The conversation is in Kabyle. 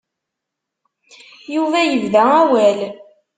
Yuba yebda awal.